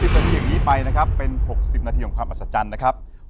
นาทีอย่างนี้ไปนะครับเป็น๖๐นาทีของความอัศจรรย์นะครับ